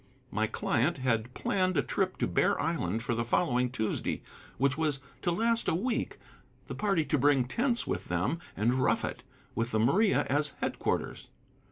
My client had planned a trip to Bear Island for the following Tuesday, which was to last a week, the party to bring tents with them and rough it, with the Maria as headquarters.